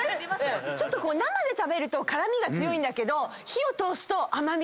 ちょっと生で食べると辛味が強いんだけど。